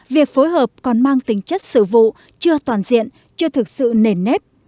việc phối hợp còn mang tính chất sự vụ chưa toàn diện chưa thực sự nền nếp